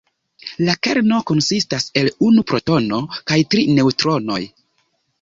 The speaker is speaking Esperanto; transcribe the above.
La kerno konsistas el unu protono kaj tri neŭtronoj.